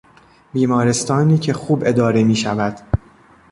بیمارستانی که خوب اداره میشود